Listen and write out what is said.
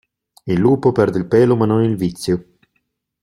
Il lupo perde il pelo ma non il vizio.